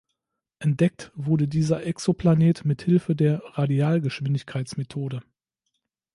Entdeckt wurde dieser Exoplanet mit Hilfe der Radialgeschwindigkeitsmethode.